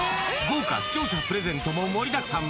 豪華視聴者プレゼントも盛りだくさん。